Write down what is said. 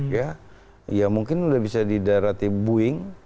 ya mungkin sudah bisa di daerah t booing